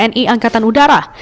pesonel tni angkatan udara